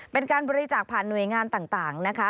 เป็นการบริจาคผ่านหน่วยงานต่างนะคะ